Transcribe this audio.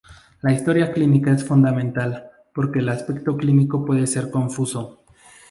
La historia clínica es fundamental, porque el aspecto clínico puede ser confuso.